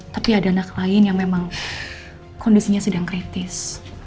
tapi ada anak lain yang memang kondisinya sedang kritis